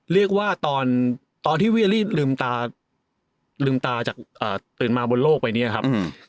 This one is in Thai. เรียกว่าตอนที่เวียรี่ลืมตาลืมตาจากตื่นมาบนโลกไปเนี่ยครับ